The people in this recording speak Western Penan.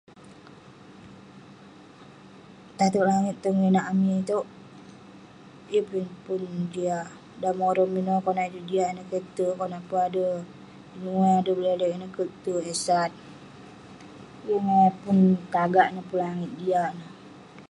Tateg langit tong inak amik itouk, yeng peh pun jiak. Dan morem ineh konak juk ineh keh terk, konak pun ader kenyuai, ader bleleg ineh kek terk. Eh sat, yeng eh pun tagak neh, pun langit jiak neh.